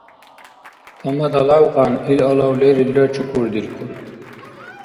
Тамада лявкьян. Ил алав лерилра чукурдиркур.